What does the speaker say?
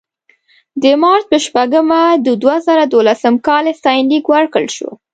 د مارچ په شپږمه د دوه زره دولسم کال ستاینلیک ورکړل شو.